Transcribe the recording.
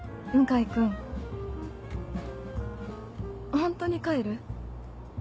ホントに帰る？